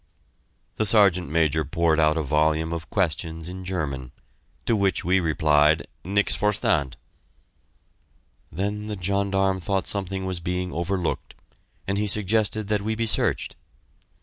The Sergeant Major poured out a volume of questions in German, to which we replied, "Nix forstand." Then the gendarme thought something was being overlooked, and he suggested that we be searched.